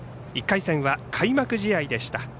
１回戦は開幕試合でした。